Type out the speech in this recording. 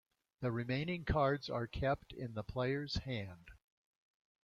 The remaining cards are kept in the player's hand.